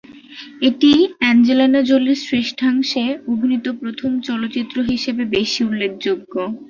এটি অ্যাঞ্জেলিনা জোলির শ্রেষ্ঠাংশে অভিনীত প্রথম চলচ্চিত্র হিসেবে বেশি উল্লেখযোগ্য।